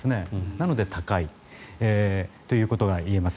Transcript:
だから高いということが言えます。